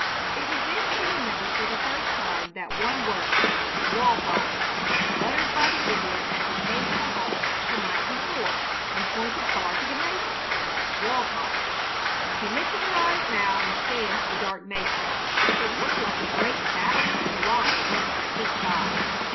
It was then she remembered for the first time that one word "Walpi!" uttered by the Indian as he came to a halt the night before and pointed far to the mesa "Walpi." She lifted her eyes now and scanned the dark mesa. It loomed like a great battlement of rock against the sky.